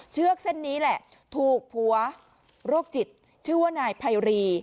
เชือกเส้นนี้แหละถูกผัวโรคจิตชื่อว่านายไพรี